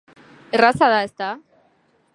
Erraza da, ezta?